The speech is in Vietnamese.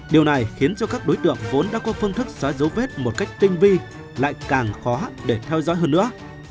điều này khiến cho các đối tượng vốn đã có phương thức xóa dấu vết một cách tinh vi lại càng khó để theo dõi hơn nữa